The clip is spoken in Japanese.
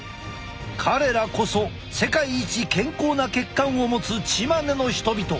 彼らこそ世界一健康な血管を持つチマネの人々。